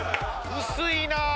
薄いなぁ！